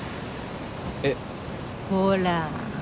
えっ？ほら。